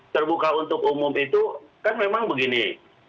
terbuka untuk umum itu kan memang begini